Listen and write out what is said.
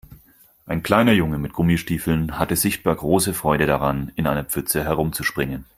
Ein kleiner Junge mit Gummistiefeln hatte sichtbar große Freude daran, in einer Pfütze herumzuspringen.